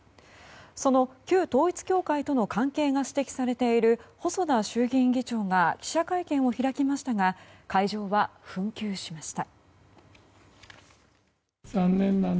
その旧統一教会との関係が指摘されている細田衆議院議長が記者会見を開きましたが会場は紛糾しました。